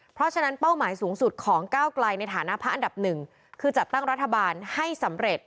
เพราะฉะนั้นเป้าหมายสูงสุดของก้าวไกลในฐานะพักอันดับหนึ่งคือจัดตั้งรัฐบาลให้สำเร็จ